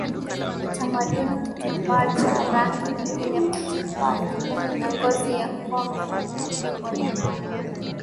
kitamaduni kitambaa cha rangi nyingi patipati za ngozi ya ngombe na fimbo ya mbao